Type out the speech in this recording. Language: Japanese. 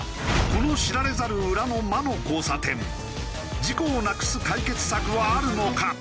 この知られざる裏の魔の交差点事故をなくす解決策はあるのか？